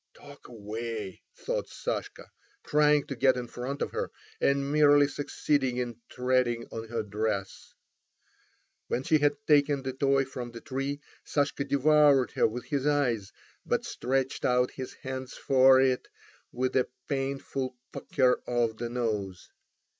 "Talk away!" thought Sashka, trying to get in front of her, and merely succeeding in treading on her dress. When she had taken the toy from the tree, Sashka devoured her with his eyes, but stretched out his hands for it with a painful pucker of the nose.